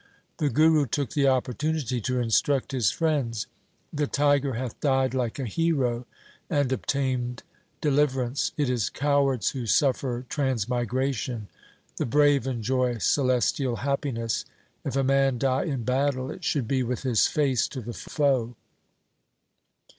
The Guru took the opportunity to instruct his c 2 20 THE SIKH RELIGION friends :' The tiger hath died like a hero and ob tained deliverance. It is cowards who suffer trans migration. The brave enjoy celestial happiness. If a man die in battle, it should be with his face to the foe.'